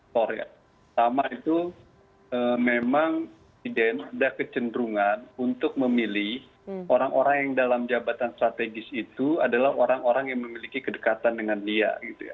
pertama itu memang presiden ada kecenderungan untuk memilih orang orang yang dalam jabatan strategis itu adalah orang orang yang memiliki kedekatan dengan dia